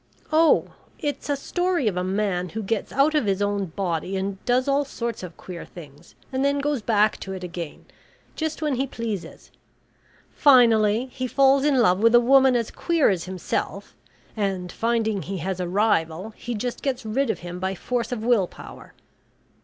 "Oh! it's a story of a man who gets out of his own body and does all sorts of queer things, and then goes back to it again, just when he pleases. Finally, he falls in love with a woman as queer as himself, and finding he has a rival, he just gets rid of him by force of will power.